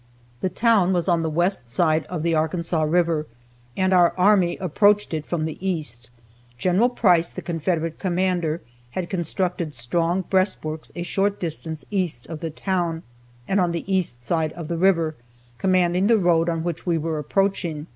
The town was on the west side of the Arkansas river, and our army approached it from the east. Gen. Price, the Confederate commander, had constructed strong breastworks a short distance east of the town, and on the east side of the river, commanding the road on which we were approaching.